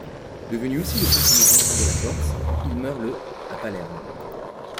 Devenu aussi conseiller général de la Corse, il meurt le à Palerme.